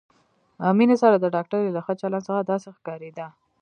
مينې سره د ډاکټرې له ښه چلند څخه داسې ښکارېده.